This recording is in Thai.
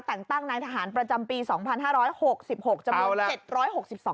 แต่งตั้งนางทหารประจำปี๒๕๖๖จะมี๗๖๒ตำแหน่ง